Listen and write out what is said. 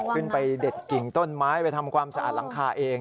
เด็ดกิ่งต้นไม้ไปทำความสะอาดหลังคาเอง